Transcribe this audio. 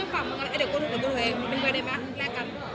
คนอื่นคนตัวเองมึงไปได้มั้ยแรกกัน